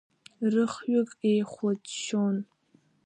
Рыхҩык еихәлаччон.